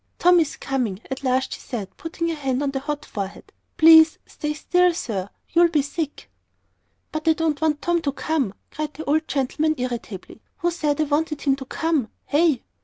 "Tom is coming," at last she said, putting her hand on the hot forehead. "Please stay still, sir; you will be sick." "But I don't want Tom to come," cried the old gentleman, irritably. "Who said I wanted him to come? Hey?"